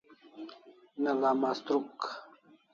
Ne'la mastruk